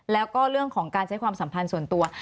แล้วก็เรื่องของการใช้ความสัมพันธ์ส่วนตัว